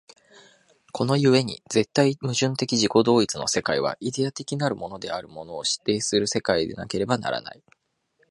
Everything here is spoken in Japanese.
この故に絶対矛盾的自己同一の世界は、イデヤ的なるものをも否定する世界でなければならない。